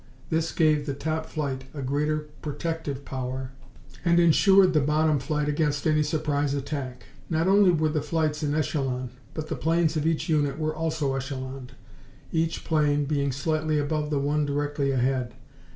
This gave the top flight a greater protective power and insured the bottom flight against any surprise attack. Not only were the flights in echelon, but the planes of each unit were also echeloned, each plane being slightly above the one directly ahead.